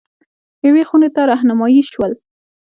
یوې خونې ته رهنمايي شول.